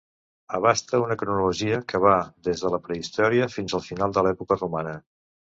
Abasta una cronologia que va des de la prehistòria fins al final de l'època romana.